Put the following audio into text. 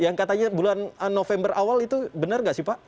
yang katanya bulan november awal itu benar nggak sih pak